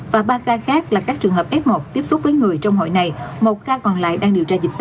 và ba ca khác là các trường hợp f một tiếp xúc với người trong hội này một ca còn lại đang điều tra dịch